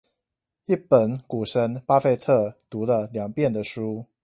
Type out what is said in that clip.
一本股神巴菲特讀了兩遍的書